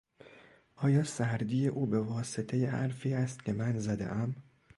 آیا سردی او به واسطهی حرفی است که من زدهام؟